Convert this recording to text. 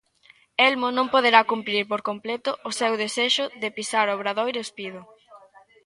Elmo non poderá cumprir por completo o seu desexo de pisar o Obradoiro espido.